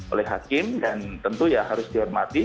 oleh hakim dan tentu ya harus dihormati